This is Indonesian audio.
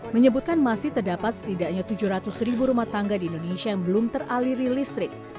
menyebutkan masih terdapat setidaknya tujuh ratus ribu rumah tangga di indonesia yang belum teraliri listrik